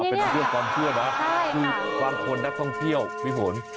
เป็นเรื่องความเชื่อนะคือบางคนนักท่องเที่ยวพี่ฝน